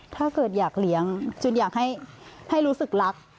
ถ้าเกิดอยากเลี้ยงจุนอยากให้รู้สึกรัก